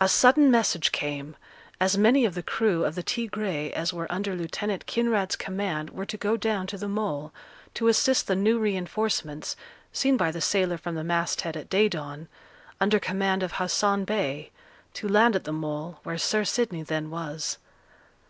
A sudden message came; as many of the crew of the Tigre as were under Lieutenant Kinraid's command were to go down to the Mole, to assist the new reinforcements (seen by the sailor from the masthead at day dawn), under command of Hassan Bey, to land at the Mole, where Sir Sidney then was.